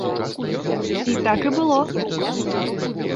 І так і было.